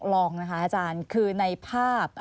ลองนะคะอาจารย์คือในภาพ